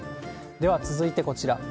では続いてこちら。